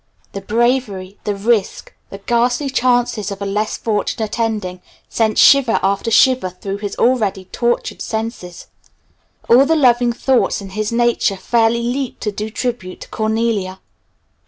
The bravery, the risk, the ghastly chances of a less fortunate ending, sent shiver after shiver through his already tortured senses. All the loving thoughts in his nature fairly leaped to do tribute to Cornelia.